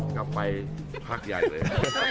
กลับไปพราคยายเลย